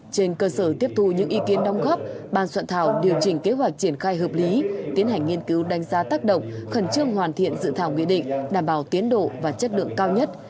trên cơ sở tiếp thu những ý kiến đóng góp ban soạn thảo điều chỉnh kế hoạch triển khai hợp lý tiến hành nghiên cứu đánh giá tác động khẩn trương hoàn thiện dự thảo nghị định đảm bảo tiến độ và chất lượng cao nhất